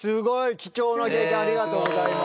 貴重な経験ありがとうございます。